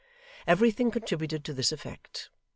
Everything contributed to this effect.